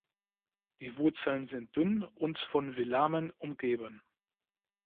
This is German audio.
Die Wurzeln sind dünn und von Velamen umgeben.